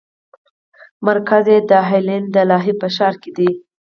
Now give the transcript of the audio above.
مرکز یې د هالنډ د لاهه په ښار کې دی.